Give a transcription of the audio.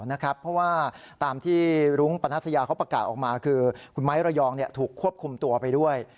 เพราะว่าตามที่รุ้งปนัสยาเขาประกาศออกมาคือคุณไม้ระยองถูกควบคุมตัวไปด้วย